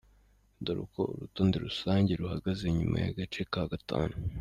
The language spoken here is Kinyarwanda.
Dore uko urutonde rusange ruhagaze nyuma y’agace ka gatanu .